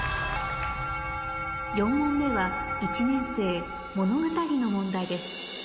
４問目は１年生物語の問題です